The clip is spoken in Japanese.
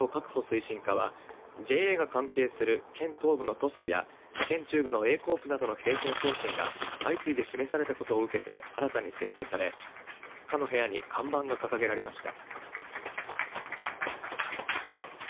推進課はＪＡが関係する県東部のトスクや県中部のＡコープなどの閉店方針が相次いで示されたことを受けて新たに設置され、課の部屋に看板が掲げられました。